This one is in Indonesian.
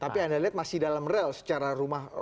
tapi anda lihat masih dalam real secara rumah